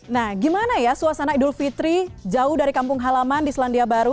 nah gimana ya suasana idul fitri jauh dari kampung halaman di selandia baru